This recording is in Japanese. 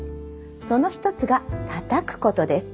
その一つがたたくことです。